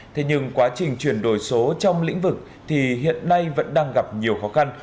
thế nhưng quá trình chuyển đổi số trong lĩnh vực thì hiện nay vẫn đang gặp nhiều khó khăn